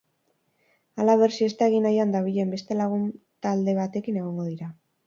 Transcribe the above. Halaber, siesta egin nahian dabilen beste lagun talde batekin egongo dira.